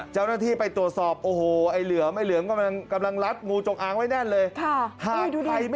เจ้าหน้าที่ไปตรวจสอบโอ้โหไอ้เหลือมไอ้เหลืองกำลังรัดงูจงอางไว้แน่นเลย